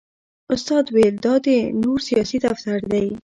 استاد ویل دا د نور سیاسي دفتر دی.